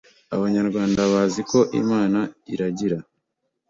Abanyarwanda bazi ko Imana iragira